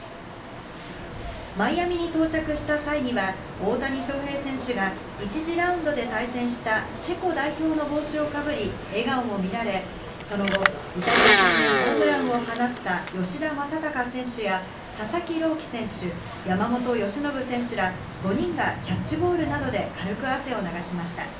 マイアミに到着した際には大谷翔平選手が一次ラウンドで対戦したチェコ代表の帽子をかぶり笑顔も見られ、その後、イタリア戦でホームランを放った吉田正尚選手や佐々木朗希選手、山本由伸選手ら５人がキャッチボールなどで軽く汗を流しました。